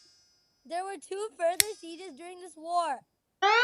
There were two further sieges during this war.